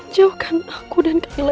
jauhkan aku dan kayla